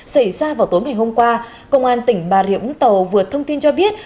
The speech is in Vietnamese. xảy ra vào tối ngày hôm qua công an tỉnh bà riệu úng tàu vượt thông tin cho biết